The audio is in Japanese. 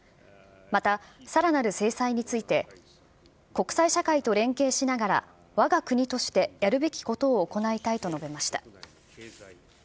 また、さらなる制裁について、国際社会と連携しながらわが国としてやるべきことを行いたいと述べました。